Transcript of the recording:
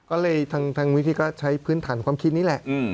ก็เลยทางวิธีก็ใช้พื้นฐานความคิดนี่แหละ